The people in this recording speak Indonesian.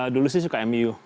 dulu sih suka mu